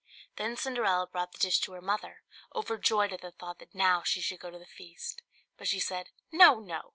Then Cinderella brought the dish to her mother, overjoyed at the thought that now she should go to the feast. But she said, "No, no!